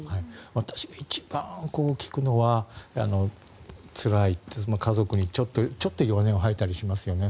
私が一番聞くのはつらい家族にちょっと弱音を吐いたりしますよね。